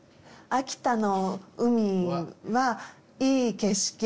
「秋田の海はいい景色」